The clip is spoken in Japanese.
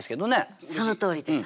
そのとおりです。